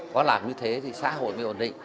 có làm như thế thì xã hội mới ổn định